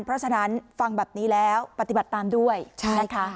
เพราะฉะนั้นฟังแบบนี้แล้วปฏิบัติตามด้วยนะคะ